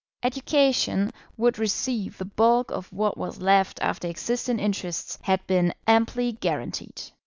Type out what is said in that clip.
Education would receive the bulk of what was left after existing interests had been amply guaranteed.